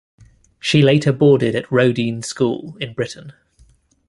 She later boarded at Roedean School in Britain.